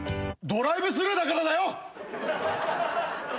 ドライブスルーだから！